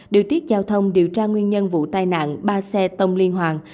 điều tiết giao thông điều tra nguyên nhân vụ tai nạn ba xe tông liên hoàng